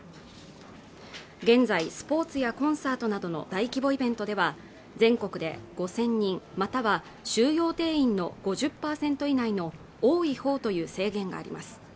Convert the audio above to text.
現在スポーツやコンサートなどの大規模イベントでは全国で５０００人または収容定員の５０％以内の多い方という制限があります